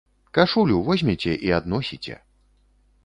Кашулю возьмеце і адносіце.